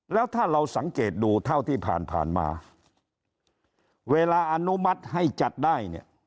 แล้วถ้าเราสังเกตดูเท่าที่ผ่านมาเวลาอนุมัติให้จัดได้เนี่ย